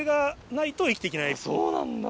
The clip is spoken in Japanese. そうなんだ！